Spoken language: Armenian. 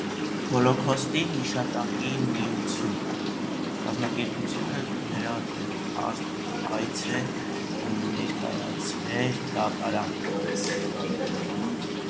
«Հոլոքոստի հիշատակի միություն» կազմակերպությունը նրա դեմ հայց է ներկայացրել դատարան։